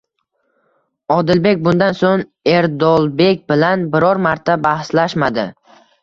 Odilbek bundan so'ng Erdolbek bilan biror marta bahslashmadi.